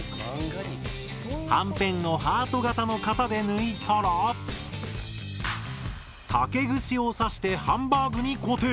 ハンペンをハート型の型で抜いたら竹串を刺してハンバーグに固定。